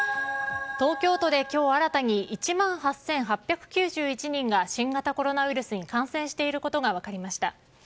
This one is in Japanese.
東京都で今日新たに１万８８９１人が新型コロナウイルスに感染していることが分かりました。